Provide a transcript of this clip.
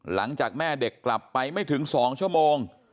หลังจากแม่เด็กกลับไปไม่ถึง๒ชั่วโมง